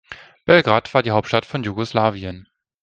Belgrad war die Hauptstadt von Jugoslawien.